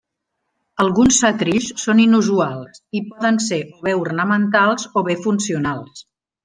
Alguns setrills són inusuals, i poden ser o bé ornamentals o bé funcionals.